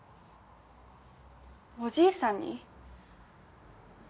おじいさんに？